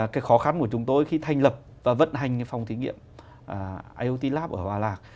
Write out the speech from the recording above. cái khó khăn của chúng tôi khi thành lập và vận hành cái phòng thí nghiệm iot lap ở hòa lạc